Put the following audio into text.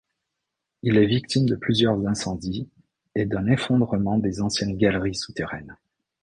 Il est victime de plusieurs incendies et d'un effondrement des anciennes galeries souterraines.